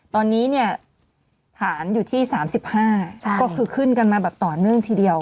ตอนนี้ผ่านอยู่ที่๓๕บาทก็คือขึ้นกันมาต่อเนื่องทีเดียว